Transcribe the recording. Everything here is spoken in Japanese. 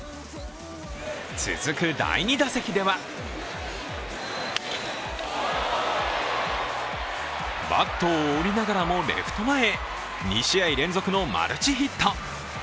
続く第２打席ではバットを折りながらもレフト前へ２試合連続のマルチヒット。